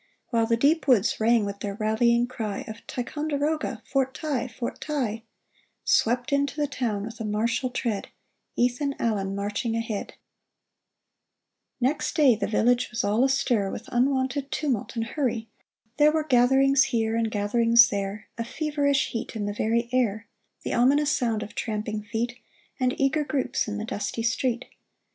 While the deep woods rang with their rallying cry Of " Ticonderoga ! Fort Ti ! FortTi!" Swept into the town with a martial tread, Ethan Allen marching ahead ! Next day the village was all astir With unwonted tumult and hurry. There were Gatherings here and gatherings there, A feverish heat in the very air, The ominous sound of tramping feet, And eager groups in the dusty street.